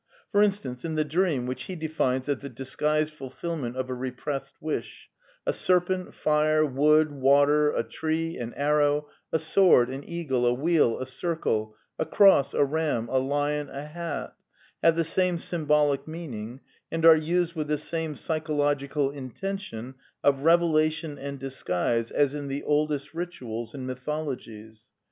For instance, in the dream — which he de fines as " the disguised fulfilment of a repressed wish "— a serpent, fire, wood, water, a tree, an arrow, a sword, an eagle, a wheel, a circle, a cross, a ram, a lion, a hat, have the same symbolic meaning and are used with the same psychological intention of revelation and disguise as in the oldest rituals and mythologies.